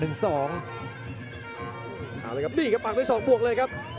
เอาเลยครับนี่ครับตบด้วย๒๒เลยครับ